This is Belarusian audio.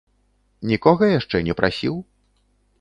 Нікога яшчэ не прасіў?